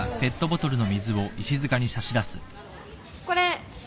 これ。